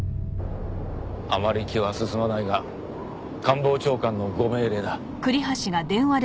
あまり気は進まないが官房長官のご命令だ。